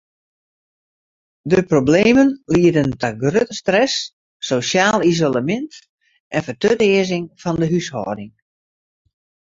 De problemen liede ta grutte stress, sosjaal isolemint en fertutearzing fan de húshâlding.